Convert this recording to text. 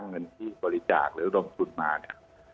เงินที่บริจาคหรือระดมทุนมาเนี่ย